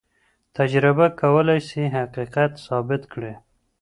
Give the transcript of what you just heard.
تجربه کولای سي حقيقت ثابت کړي.